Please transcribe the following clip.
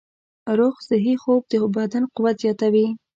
روغ صحي خوب د بدن قوت زیاتوي.